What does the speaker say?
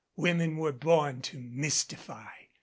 Women were born to mystify.